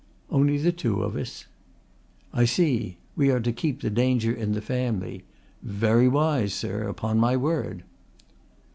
"Only the two of us." "I see. We are to keep the danger in the family. Very wise, sir, upon my word."